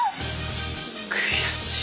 悔しい！